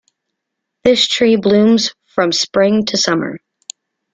This tree blooms from spring to summer.